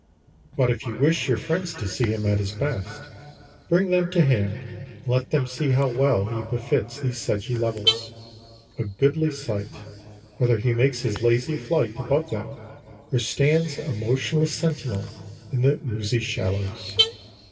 But if you wish your friends to see him at his best, bring them to him and let them see how well he befits these sedgy levels a goodly sight, whether he makes his lazy flight above them or stands a motionless sentinel in the oozy shallows.